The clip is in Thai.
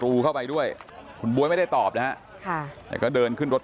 รูเข้าไปด้วยคุณบ๊วยไม่ได้ตอบนะฮะค่ะแต่ก็เดินขึ้นรถ